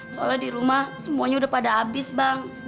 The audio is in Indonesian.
soalnya di rumah semuanya udah pada habis bang